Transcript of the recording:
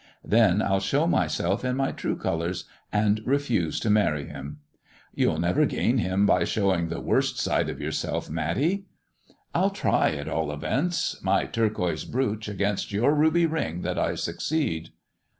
Then I'll show myself in my true colours and refuse to marry him." " You'll never gain him by showing the worst side of yourself, Matty." 174 MISS JONATHAN " I'll try, at all events. My turquoise brooch against your ruby ring that I succeed."